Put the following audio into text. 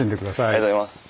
ありがとうございます。